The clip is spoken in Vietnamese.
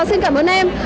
xin cảm ơn em